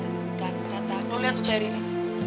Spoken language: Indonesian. mereka saling bercerita